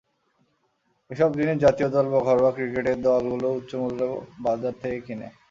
এসব জিনিস জাতীয় দল বা ঘরোয়া ক্রিকেটের দলগুলো উচ্চমূল্যে বাজার থেকে কেনে।